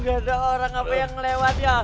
gak ada orang apa yang lewat ya